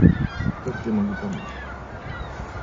Как я могу помочь?